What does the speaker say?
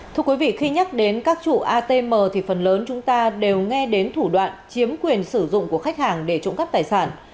thưa quý vị khi nhắc đến các chủ atm thì phần lớn chúng ta đều nghe đến thủ đoạn chiếm quyền sử dụng của khách hàng để trộm cắp tài sản